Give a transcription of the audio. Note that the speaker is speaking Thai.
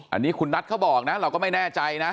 อันนี้คุณนัทเขาบอกนะเราก็ไม่แน่ใจนะ